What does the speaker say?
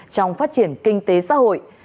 trong phát triển kinh tế xã hội